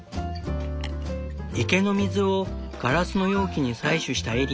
池の水をガラスの容器に採取したエリー。